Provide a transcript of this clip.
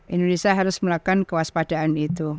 indonesia harus melakukan kewaspadaan itu